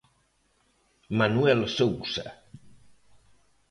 Manuel Sousa.